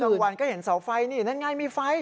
วันก็เห็นเสาไฟนี่นั่นไงมีไฟ